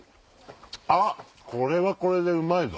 あっこれはこれでうまいぞ！